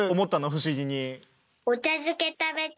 不思議に。